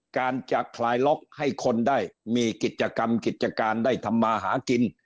การจะคลายล็อกให้คนได้มีกิจกรรมกิจการได้ทำมาหากิน